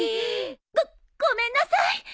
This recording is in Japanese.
ごごめんなさい。